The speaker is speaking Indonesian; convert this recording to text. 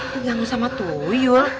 diganggu sama tuyul